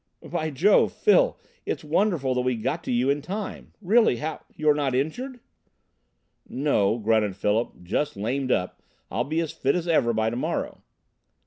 "By Jove! Phil, it's wonderful that we got to you in time. Really, how you're not injured?" "No," grunted Philip, "just lamed up. I'll be as fit as ever by to morrow."